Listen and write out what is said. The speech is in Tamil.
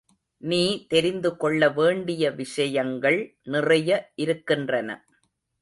நீ தெரிந்துகொள்ள வேண்டிய விஷயங்கள் நிறைய இருக்கின்றன.